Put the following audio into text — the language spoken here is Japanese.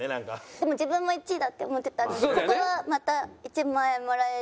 でも自分も１位だって思ってたんでここはまた１万円もらえる？